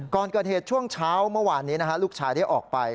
ก่อนเกิดเหตุช่วงเช้าเมื่อวานนี้ลูกชายได้ออกไป